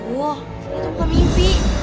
wah itu bukan mimpi